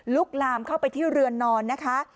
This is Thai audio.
ลามเข้าไปที่เรือนนอนนะคะ